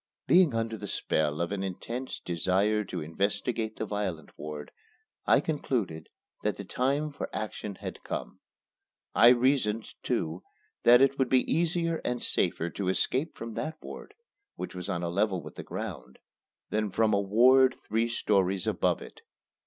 Being under the spell of an intense desire to investigate the violent ward, I concluded that the time for action had come. I reasoned, too, that it would be easier and safer to escape from that ward which was on a level with the ground than from a ward three stories above it.